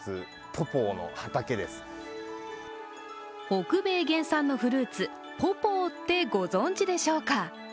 北米原産のフルーツ・ポポーってご存じでしょうか？